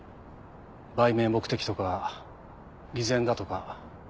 売名目的とか偽善だとか。